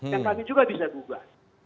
yang kami juga bisa gugat